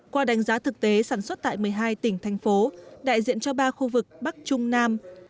qua đánh giá thực tế sản xuất tại một mươi hai tỉnh thành phố đại diện cho ba khu vực bắc trung nam